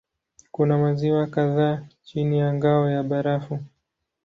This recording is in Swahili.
Kuna maziwa kadhaa chini ya ngao ya barafu.